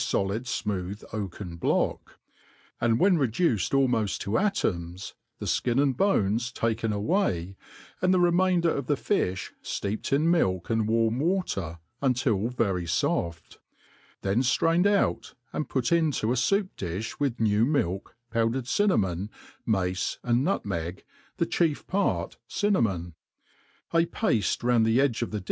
fojid fmooch oakea block; and when reduced almoft to atoms, the flda and bgnpa* taken away, and the remainder of the fi(h fteeped in milk and warm water until very foft j then ftrained out, and put into a foup di(h with new milk, powdered cinnamon, mace, and nut meg, the chief part cinnamon ; a parte round the ecJge of the.